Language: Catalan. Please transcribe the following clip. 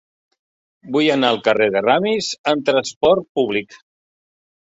Vull anar al carrer de Ramis amb trasport públic.